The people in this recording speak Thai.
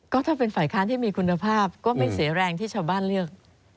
ก็ถ้าเป็นฝ่ายค้านที่มีคุณภาพก็ไม่เสียแรงที่ชาวบ้านเลือก